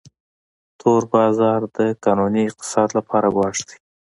تور بازار د قانوني اقتصاد لپاره ګواښ دی